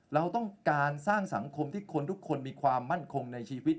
เราต้องการสร้างสังคมที่คนทุกคนมีความมั่นคงในชีวิต